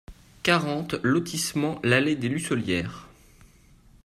quarante lotissement l'Allée de la Mucelière